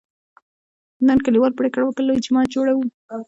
نن کلیوالو پرېکړه وکړه: لوی جومات جوړوو.